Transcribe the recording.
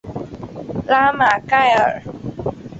拉马盖尔。